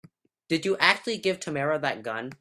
Did you actually give Tamara that gun?